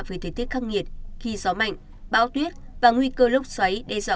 về thời tiết khắc nghiệt khi gió mạnh bão tuyết và nguy cơ lốc xoáy đe dọa